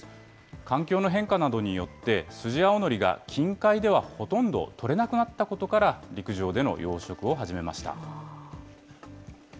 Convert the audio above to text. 環境の変化などによって、スジアオノリが近海ではほとんど取れなくなったことから、陸上での養殖を始めました。